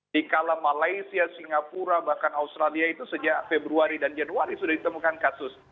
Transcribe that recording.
di kala malaysia singapura bahkan australia itu sejak februari dan januari sudah ditemukan kasus